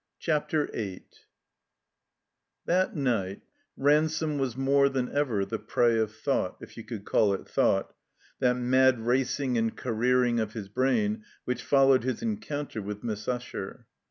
CHAPTER VIII THAT night Ransome was more than ever the prey of thought, if you could call it thought, that mad racing and careering of his brain which followed his encounter with Miss Usher.